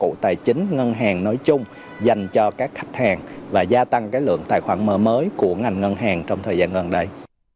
dịch vụ tài chính ngân hàng nói chung dành cho các khách hàng và gia tăng cái lượng tài khoản mở mới của ngành ngân hàng trong thời gian gần đây